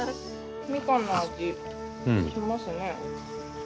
みかんの味しますね。